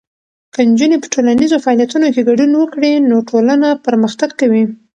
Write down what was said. که نجونې په ټولنیزو فعالیتونو کې ګډون وکړي، نو ټولنه پرمختګ کوي.